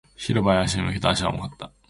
広場へと足を向けた。足は重かった。